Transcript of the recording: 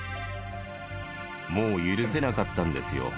もう許せなかったんですよ。